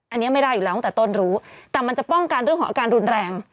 อันนี้ไม่ได้อยู่แล้วตั้งแต่ต้นรู้แต่มันจะป้องกันเรื่องของอาการรุนแรง